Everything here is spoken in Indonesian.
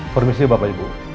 permisi bapak ibu